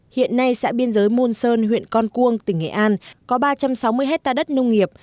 hiện nay xã biên giới môn sơn huyện con cuông tỉnh nghệ an có ba trăm sáu mươi hectare đất nông nghiệp